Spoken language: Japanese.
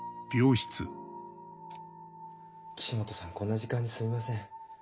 岸本さんこんな時間にすみません。